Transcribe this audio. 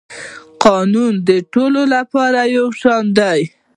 قانون د ټولو لپاره یو شان دی